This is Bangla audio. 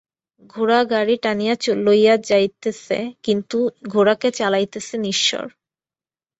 ঘোড়া গাড়ী টানিয়া লইয়া যাইতেছে, কিন্তু ঘোড়াকে চালাইতেছেন ঈশ্বর।